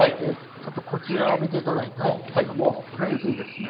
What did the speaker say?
ちょっとこちらを見ていただいたらいいんですけどもフェンスにですね